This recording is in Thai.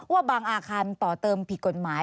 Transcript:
ว่าบางอาคารต่อเติมผิดกฎหมาย